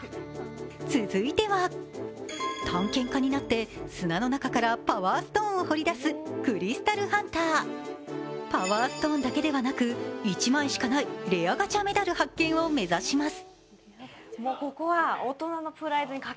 続いては、探検家になって砂の中からパワーストーンを掘り出すクリスタルハンターパワーストーンだけではなく、１枚しかないレアガチャメダル発見を目指します。